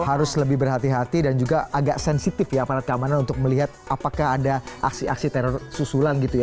harus lebih berhati hati dan juga agak sensitif ya aparat keamanan untuk melihat apakah ada aksi aksi teror susulan gitu ya